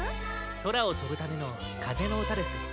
そらをとぶためのかぜのうたです。